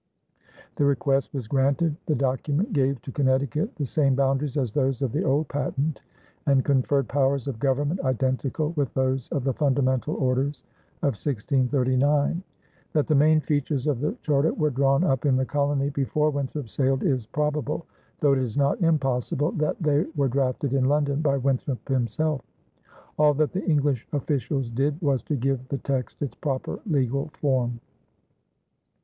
The request was granted. The document gave to Connecticut the same boundaries as those of the old patent, and conferred powers of government identical with those of the Fundamental Orders of 1639. That the main features of the charter were drawn up in the colony before Winthrop sailed is probable, though it is not impossible that they were drafted in London by Winthrop himself. All that the English officials did was to give the text its proper legal form.